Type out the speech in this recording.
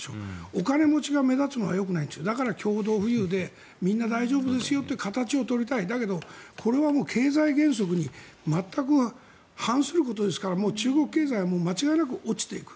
お金持ちが目立つのはよくないだから共同富裕でみんな大丈夫ですよという形をとりたいだけどこれは経済原則に全く反することですから中国経済は間違いなく落ちていく。